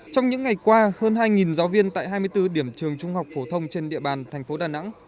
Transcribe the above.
trong những ngày qua hơn hai giáo viên tại hai mươi bốn điểm trường trung học phổ thông trên địa bàn thành phố đà nẵng